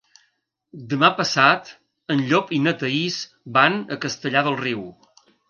Demà passat en Llop i na Thaís van a Castellar del Riu.